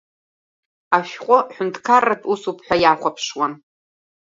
Ашәҟәы ҳәынҭқарратә усуп ҳәа иахәаԥшуан.